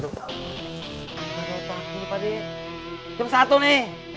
apaan jam segini